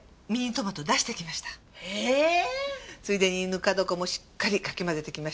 ついでにぬか床もしっかりかき混ぜてきましたよ。